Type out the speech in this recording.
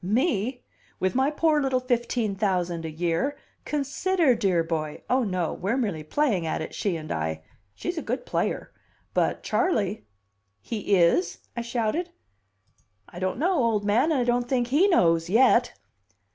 "Me? With my poor little fifteen thousand a year? Consider, dear boy! Oh, no, we're merely playing at it, she and I. She's a good player. But Charley " "He is?" I shouted. "I don't know, old man, and I don't think he knows yet."